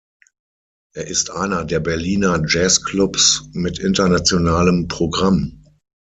Er ist einer der Berliner Jazzclubs mit internationalem Programm.